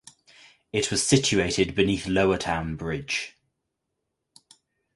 It was situated beneath Lower Town bridge.